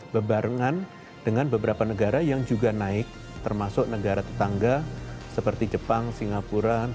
bebarengan dengan beberapa negara yang juga naik termasuk negara tetangga seperti jepang singapura